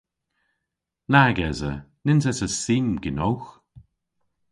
Nag esa. Nyns esa sim genowgh.